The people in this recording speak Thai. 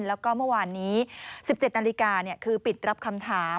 แล้วก็เมื่อวานนี้๑๗นาฬิกาคือปิดรับคำถาม